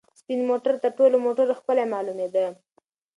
سپین موټر تر ټولو موټرو ښکلی معلومېده.